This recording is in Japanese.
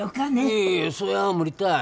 いやいやいやそれは無理たい。